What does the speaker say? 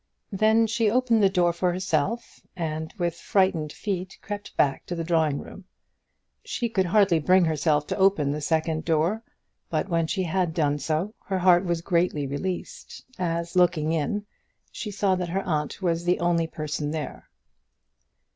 Then she opened the door for herself, and with frightened feet crept back to the drawing room. She could hardly bring herself to open the second door; but when she had done so, her heart was greatly released, as, looking in, she saw that her aunt was the only person there.